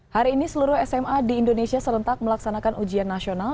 hari ini seluruh sma di indonesia serentak melaksanakan ujian nasional